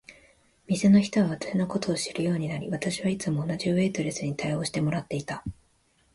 店の人は私のことを知るようになり、私はいつも同じウェイトレスに応対してもらっていた。